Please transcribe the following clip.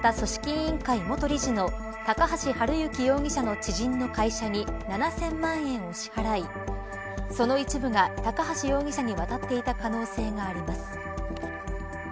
委員会元理事の高橋治之容疑者の知人の会社に７０００万円を支払いその一部が高橋容疑者に渡っていた可能性があります。